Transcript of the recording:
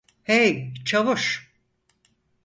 Hey, çavuş.